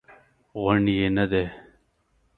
غونډ یې نه دی.